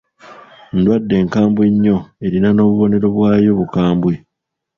Ndwadde nkambwe nnyo erina n'obubonero bwayo bukambwe.